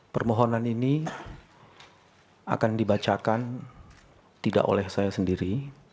permohonan ini akan dibacakan tidak oleh saya sendiri